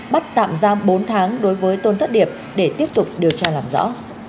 bắt tạm giam bốn tháng đối với tôn thất điệp để tiếp tục điều tra làm rõ